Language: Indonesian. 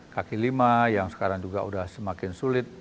kaki lima yang sekarang juga sudah semakin sulit